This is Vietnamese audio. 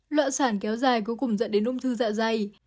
lợn sản kéo dài cuối cùng dẫn đến ung thư dạ dày